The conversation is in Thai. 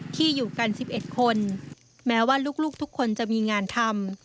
ที่อยู่กัน๑๑คนแม้ว่าลูกทุกคนจะมีงานทำ